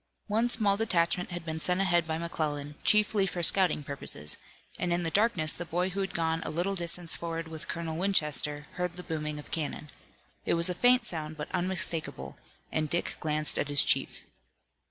One small detachment had been sent ahead by McClellan, chiefly for scouting purposes, and in the darkness the boy who had gone a little distance forward with Colonel Winchester heard the booming of cannon. It was a faint sound but unmistakable, and Dick glanced at his chief.